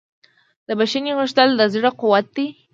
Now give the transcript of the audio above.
د بښنې غوښتل د زړه قوت دی.